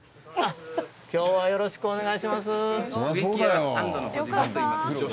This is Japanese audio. よろしくお願いします。